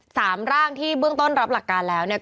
สามร่างที่เบื้องต้นรับหลักการแล้วเนี่ย